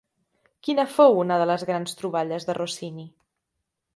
Quina fou una de les grans troballes de Rossini?